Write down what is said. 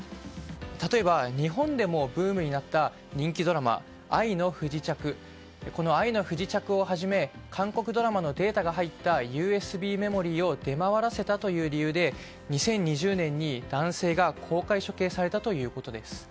例えば、日本でもブームになった人気ドラマ「愛の不時着」をはじめ韓国ドラマのデータが入ったＵＳＢメモリーを出回らせたという理由で２０２０年に男性が公開処刑されたということです。